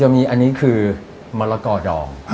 มีอันนี้คือมะละกอดอง